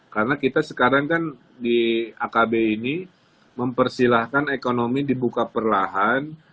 karena kita sekarang kan di akb ini mempersilahkan ekonomi dibuka perlahan